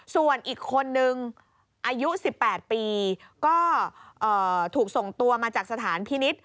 ส่วนอีกคนนึงอายุ๑๘ปีก็ถูกส่งตัวมาจากสถานพินิษฐ์